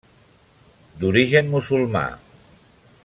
D'origen musulmà.